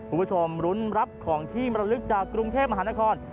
คุณผู้ชมรุ้นรับของที่มรลึกจากกรุงเทพมหานคร